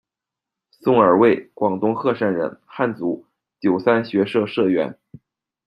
宋尔卫，广东鹤山人，汉族，九三学社社员。